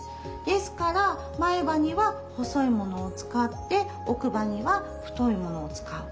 ですから前歯には細いものを使って奥歯には太いものを使う。